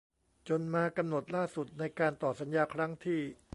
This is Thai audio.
จนมากำหนดล่าสุดในการต่อสัญญาครั้งที่